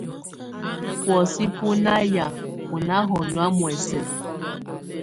Buosɛ́ bú na yáá ú ná hɔnyɔ̀á muɛsɛ.